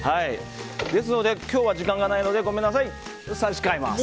ですので、今日は時間がないのでごめんなさい差し替えます。